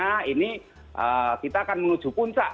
karena ini kita akan menuju puncak